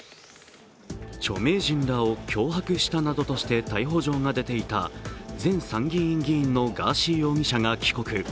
著名人らを脅迫したなどとして逮捕状が出ていた、前参議院議員のガーシー容疑者が帰国。